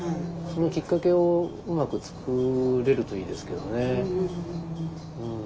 そのきっかけをうまく作れるといいですけどね。